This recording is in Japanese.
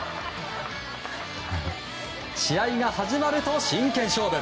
試合が始まると、真剣勝負。